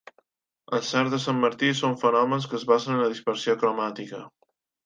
Els arcs de Sant Martí són fenòmens que es basen en la dispersió cromàtica.